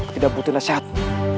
tidak butuh nasihatmu